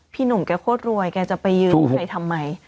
พี่หนุ่มแกโคตรรวยแกจะไปยืนใครทำไม